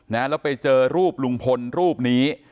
แล้วไปเจอรูปลุงพลรูปนี้